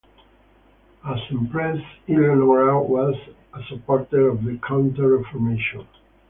As Empress, Eleanora was a supporter of the Counter-Reformation.